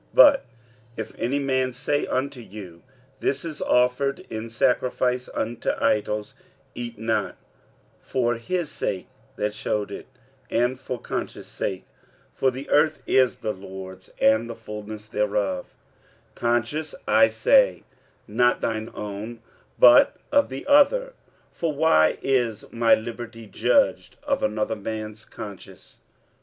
46:010:028 But if any man say unto you, This is offered in sacrifice unto idols, eat not for his sake that shewed it, and for conscience sake: for the earth is the Lord's, and the fulness thereof: 46:010:029 Conscience, I say, not thine own, but of the other: for why is my liberty judged of another man's conscience?